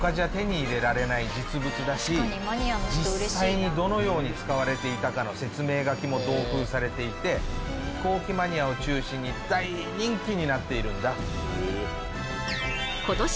実際にどのように使われていたかの説明書きも同封されていて飛行機マニアを中心に大人気になっているんだ。